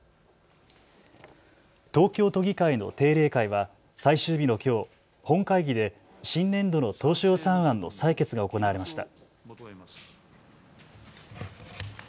東京都議会の定例会は最終日のきょう本会議で新年度の当初予算案の採決が行われました。